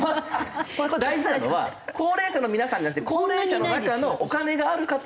大事なのは高齢者の皆さんじゃなくて高齢者の中のお金がある方は。